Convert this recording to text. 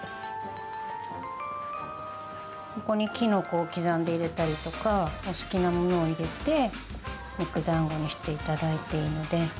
ここにきのこを刻んで入れたりとかお好きなものを入れて肉だんごにして頂いていいので。